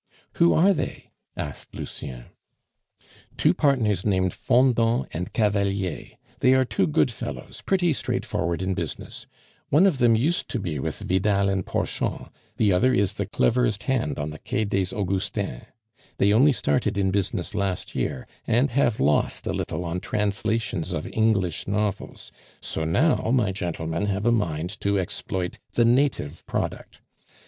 "Who are they?" asked Lucien. "Two partners named Fendant and Cavalier; they are two good fellows, pretty straightforward in business. One of them used to be with Vidal and Porchon, the other is the cleverest hand on the Quai des Augustins. They only started in business last year, and have lost a little on translations of English novels; so now my gentlemen have a mind to exploit the native product.